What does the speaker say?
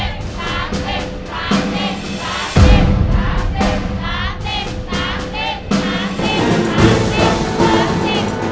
ตามศิษย์ตามศิษย์ตามศิษย์ตามศิษย์ตามศิษย์